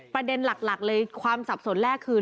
ประเด็นหลักเลยความสับสนแรกคือ